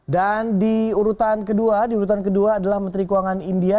dan di urutan kedua adalah menteri keuangan india